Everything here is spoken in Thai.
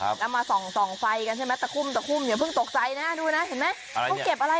แล้วมาส่องไฟกันใช่ไหมตะคุมอย่าเพิ่งตกใจนะดูนะเห็นไหม